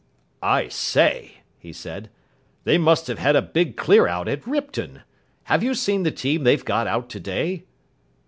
"I say," he said, "they must have had a big clear out at Ripton. Have you seen the team they've got out today?"